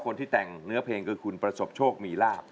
คนที่แต่งเนื้อเพลงคือคุณประสบโชคมีลาบ